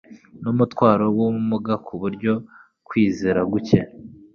n'umutwaro w'ubumuga ku buryo kwizera guke